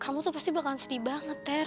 kamu tuh pasti bakalan sedih banget ya